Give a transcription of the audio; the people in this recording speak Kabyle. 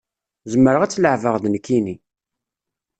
Zemreɣ ad tt-leεbeɣ d nekkini